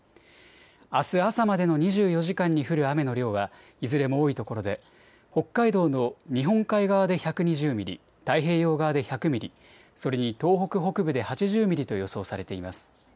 あす朝までの２４時間に降る雨の量はいずれも多いところで北海道の日本海側で１２０ミリ、太平洋側で１００ミリ、それに東北北部で８０ミリと予想されています。